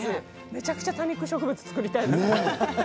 めちゃくちゃ多肉植物作りたいです。